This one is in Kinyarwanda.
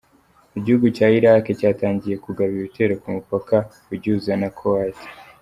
Igihugu cya Iraqi cyatangiye kugaba ibitero ku mupaka ugihuza na Kuwait.